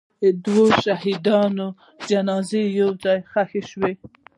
د دوو شهیدانو جنازې یو ځای ښخ شوې.